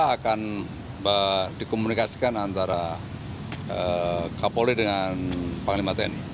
akan dikomunikasikan antara kapolri dengan panglima tni